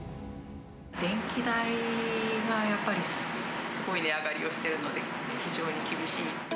電気代がやっぱりすごい値上がりをしているので、非常に厳しい。